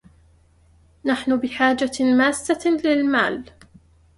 نحن بحاجة ماسة للمال.